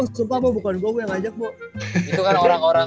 sumpah bukan gua yang ngajak